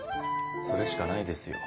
それしかないですよ。